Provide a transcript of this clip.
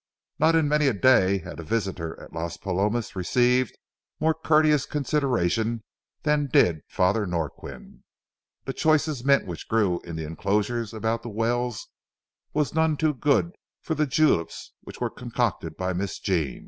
Not in many a day had a visitor at Las Palomas received more courteous consideration than did Father Norquin. The choicest mint which grew in the inclosures about the wells was none too good for the juleps which were concocted by Miss Jean.